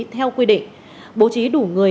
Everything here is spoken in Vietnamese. theo quy định bố trí đủ người